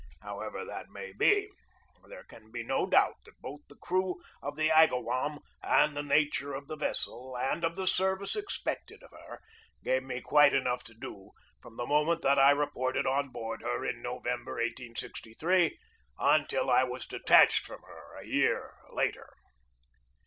However that may be, there can be no doubt that both the crew of the Agawam and the nature of the vessel and of the service expected of her gave me quite enough to do from the moment that I reported on board her, in November, 1863, until I was detached from her, a year later.